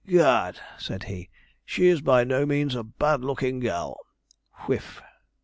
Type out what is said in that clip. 'Gad!' said he, 'she's by no means a bad looking girl' (whiff).